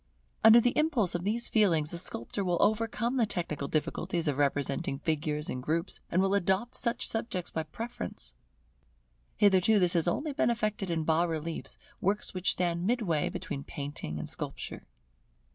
Under the impulse of these feelings, the sculptor will overcome the technical difficulties of representing figures in groups, and will adopt such subjects by preference. Hitherto this has only been effected in bas reliefs, works which stand midway between painting and sculpture.